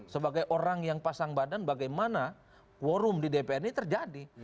sebagai orang yang pasang badan bagaimana quorum di dpn ini terjadi